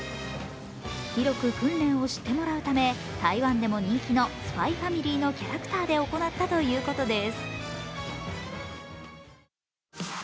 広く訓練を知ってもらうため台湾でも人気の「ＳＰＹ×ＦＡＭＩＬＹ」のキャラクターで行ったということです。